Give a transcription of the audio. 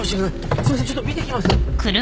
すいませんちょっと見てきます。